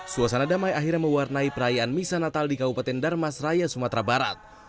suasana damai akhirnya mewarnai perayaan nisa natal di kapupaten dan mas raya sumatera barat